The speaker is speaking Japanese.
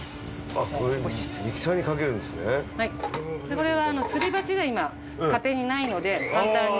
これはすり鉢が今家庭にないので簡単に。